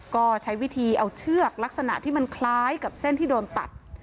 ก็ใช้วิธีเอาเชือกลักษณะที่มันคล้ายกับเส้นที่โดนตัด